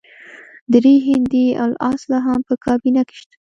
درې هندي الاصله هم په کابینه کې شته.